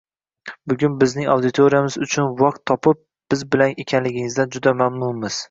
Bugun bizning auditoriyamiz uchun vaqt topib, biz bilan ekaningizdan juda mamnunmiz.